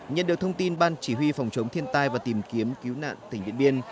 nhận được thông tin ban chỉ huy phòng chống thiên tai và tìm kiếm cứu nạn tỉnh điện biên